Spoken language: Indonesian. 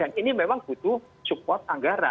dan ini memang butuh support anggaran